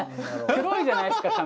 黒いじゃないですか髪。